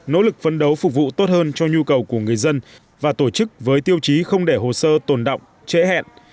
nỗ lực phân đấu phục vụ tốt hơn cho nhu cầu của người dân và tổ chức với tiêu chí không để hồ sơ tồn động trễ hẹn